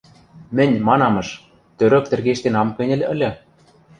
мӹнь, манамыш, тӧрӧк тӹргештен ам кӹньӹл ыльы